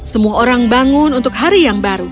semua orang bangun untuk hari yang baru